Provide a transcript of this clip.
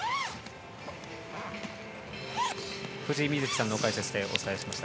藤井瑞希さんの解説でお伝えしました。